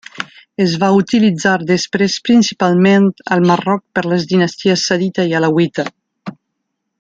Es va utilitzar després principalment al Marroc per les dinasties sadita i alauita.